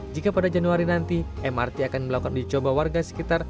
jika pada januari nanti mrt akan melakukan uji coba warga sekitar